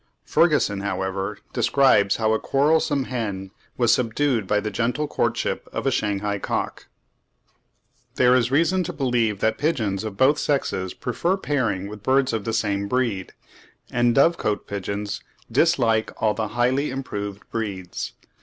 Ferguson, however, describes how a quarrelsome hen was subdued by the gentle courtship of a Shanghai cock. (21. 'Rare and Prize Poultry,' 1854, p. 27.) There is reason to believe that pigeons of both sexes prefer pairing with birds of the same breed; and dovecot pigeons dislike all the highly improved breeds.